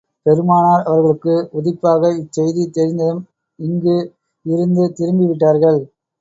பெருமானார் அவர்களுக்கு உதிப்பாக இச்செய்தி தெரிந்ததும் அங்கு இருந்து திரும்பி விட்டார்கள்.